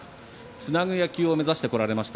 つなぐ野球を目指してこられました。